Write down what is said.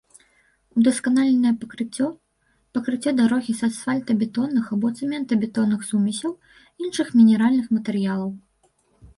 Удасканаленае пакрыццё — пакрыццё дарогі з асфальтабетонных або цэментабетонных сумесяў, іншых мінеральных матэрыялаў